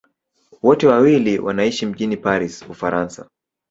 Wote wawili wanaishi mjini Paris, Ufaransa.